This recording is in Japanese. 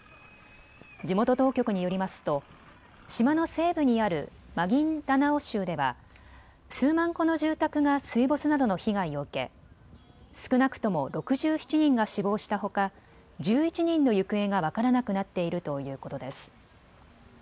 地元当局によりますと島の西部にあるマギンダナオ州では数万戸の住宅が水没などの被害を受け少なくとも６７人が死亡したほか１１人の行方が分からなくなっているということです。